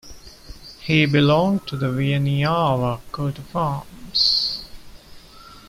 He belonged to the Wieniawa coat-of-arms.